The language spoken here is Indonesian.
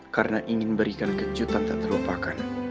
karena ingin berikan kejutan tak terlupakan